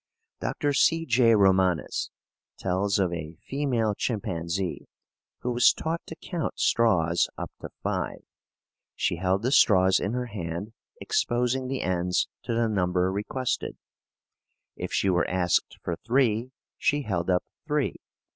Dr. C. J. Romanes tells of a female chimpanzee who was taught to count straws up to five. She held the straws in her hand, exposing the ends to the number requested. If she were asked for three, she held up three.